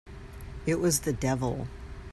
It was the devil!